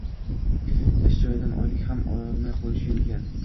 Ish joyidan oylik ham olmay qoʻyishgan ekan.